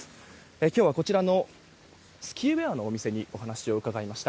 今日は、スキーウェアのお店にお話を伺いました。